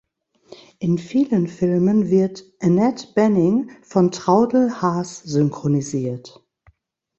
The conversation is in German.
In vielen Filmen wird Annette Bening von Traudel Haas synchronisiert.